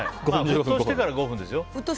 沸騰してから５分ですよ。